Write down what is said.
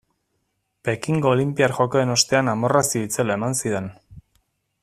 Pekingo olinpiar jokoen ostean amorrazio itzela eman zidan.